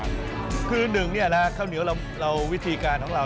ค่ะคือต่ำนี่ค่ะข้าวเหนียวเราวิธีการของเรา